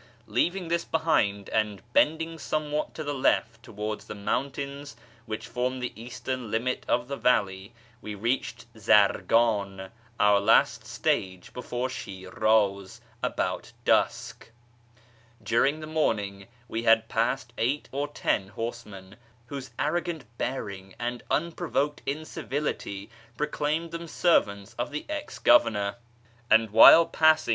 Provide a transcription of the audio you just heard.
Leaving this behind, and bendinfT somewhat to the left towards the mountains which form the eastern limit of the valley, we reached Zargan, our last stage before Shiraz, about dusk. During the morning we had passed eight or ten horsemen, whose arrogant bearing and unprovoked incivility proclaimed them servants of the ex governor ; and while passing the sheet ^ The " Bendemeer's stream" of the poet Moore.